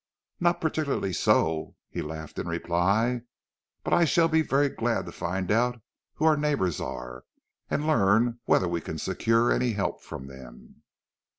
"Not particularly so," he laughed in reply, "but I shall be very glad to find out who our neighbours are, and to learn whether we can secure any help from them."